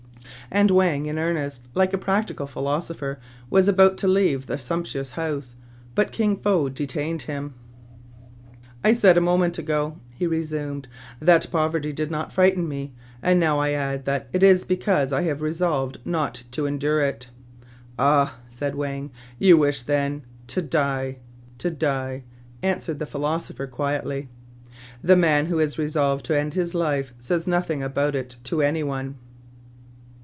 And Wang in earnest, like a practical philoso pher, was about to leave the sumptuous house ; but Kin Fo detained him. 84 TRIBULATIONS OF A CHINAMAN. "I said a moment ago," he resumed, "that poverty did not frighten me ; and I now add that it is because I have resolved not to endure it." " Ah !" said Wang, " you wish then "— "To die!" " To die !" answered the philosopher quietly. " The man who has resolved to end his life says nothing about it to any one."